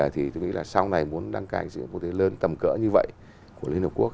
thì tôi nghĩ là sau này muốn đăng cài diễn quốc tế lớn tầm cỡ như vậy của liên hợp quốc